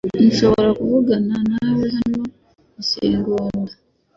Nshobora kuvugana nawe hano isegonda?